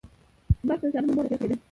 بلخ ته د ښارونو مور ویل کیده